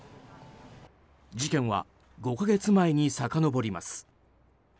事件は５か月前にさかのぼります。